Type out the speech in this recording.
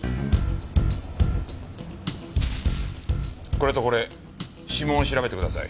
これとこれ指紋を調べてください。